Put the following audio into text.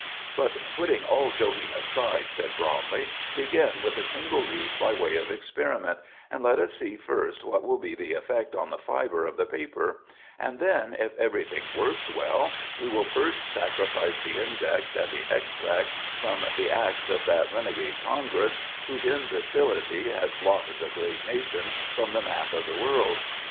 "But, putting all joking aside," said Bromley, "begin with a single leaf by way of experiment, and let us see first what will be the effect on the fiber of the paper; and then, if everything works well, we will first sacrifice the index and the extracts from the Acts of that renegade Congress whose imbecility has blotted a great nation from the map of the world."